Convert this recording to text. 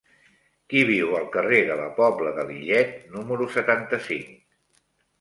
Qui viu al carrer de la Pobla de Lillet número setanta-cinc?